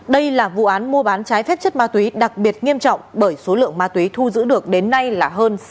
đây là vụ án mua bán trái phép chất ma túy đặc biệt nghiêm trọng bởi số lượng ma túy thu giữ được đến nay là hơn sáu mươi